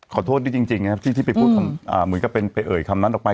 ขอโทษที่จริงนะครับที่ไปพูดคำเหมือนกับเป็นไปเอ่ยคำนั้นออกไป